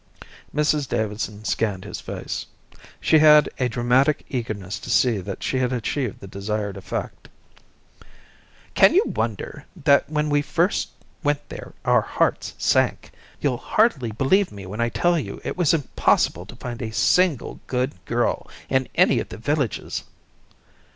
Mrs Davidson scanned his face. She had a dramatic eagerness to see that she had achieved the desired effect. "Can you wonder that when we first went there our hearts sank? You'll hardly believe me when I tell you it was impossible to find a single good girl in any of the villages."